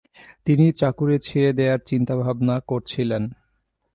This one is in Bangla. তিনি চাকুরী ছেড়ে দেয়ার চিন্তা-ভাবনা করছিলেন।